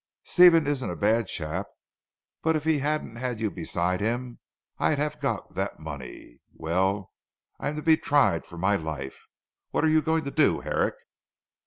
Stephen isn't a bad chap; but if he hadn't had you beside him, I'd have got that money. Well I'm to be tried for my life. What are you going to do Herrick?"